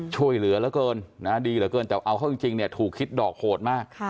ช่วยเหลือแล้วเกินดีแล้วเกินแต่เอาเขาจริงถูกคิดดอกโหดมาก